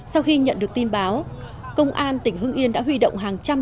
sau khi nhận được tin báo công an tỉnh hưng yên đã huy động hàng trăm